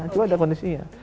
cuma ada kondisinya